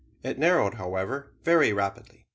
It narrowed, however, very rapidly.